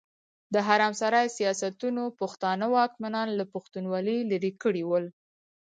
د حرم سرای سياستونو پښتانه واکمنان له پښتونولي ليرې کړي ول.